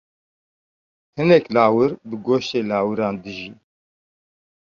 Hinek lawir bi goştê lawirên dijîn.